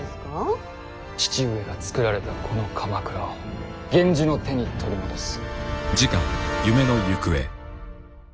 父上がつくられたこの鎌倉を源氏の手に取り戻す。